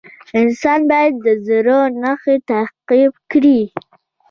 انسان باید د زړه نښې تعقیب کړي.